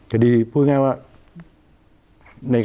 คดีพูดง่ายว่า